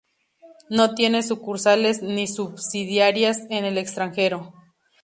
No tiene sucursales ni subsidiarias en el extranjero.